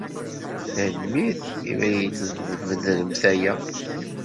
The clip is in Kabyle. Tanemmirt imi ay d-tbedremt aya.